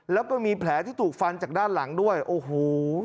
แล้วก็มีแผลที่ถูกฟันจากด้านหลังด้วยโอ้โห